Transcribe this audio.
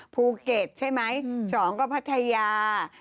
ภูเก็ตใช่ไหม๒ก็พัทยา